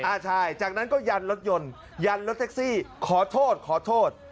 อ่าใช่จากนั้นก็ยันรถยนต์ยันรถแท็กซี่ขอโทษขอโทษ